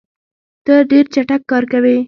ته ډېر چټک کار کوې.